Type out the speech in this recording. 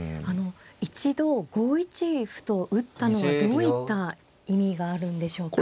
一度５一歩と打ったのはどういった意味があるんでしょうか。